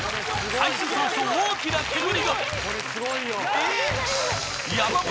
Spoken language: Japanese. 開始早々大きな煙が！